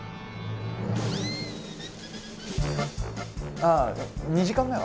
ああ２時間目は。